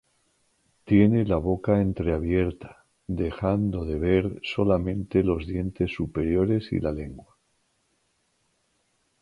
Tiene la boca entreabierta, dejando de ver solamente los dientes superiores y la lengua.